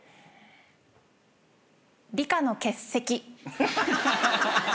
理科の欠席。